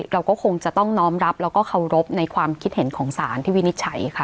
เราก็คงจะต้องน้อมรับแล้วก็เคารพในความคิดเห็นของสารที่วินิจฉัยค่ะ